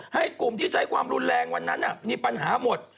ให้กลุ่มที่ใช้ความรุนแรงวันนั้นมีปัญหาหมด